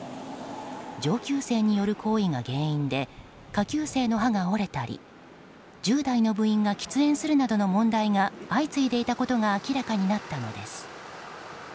上級生による行為が原因で下級生の歯が折れたり１０代の部員が喫煙するなどの問題が相次いでいたことが明らかになったのです。